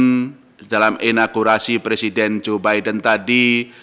dengan statement dalam inaugurasi presiden joe biden tadi